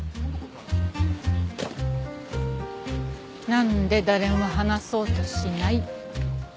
なんで誰も話そうとしない。